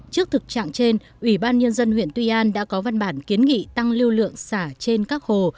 trước thực trạng trên ủy ban nhân dân huyện tuy an đã có văn bản kiến nghị tăng lưu lượng xả trên các hồ